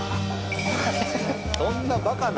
そんなバカな。